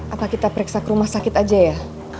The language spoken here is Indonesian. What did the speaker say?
apa kita periksa ke rumah sakit aja ya